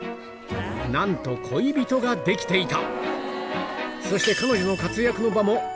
なんと恋人ができていた！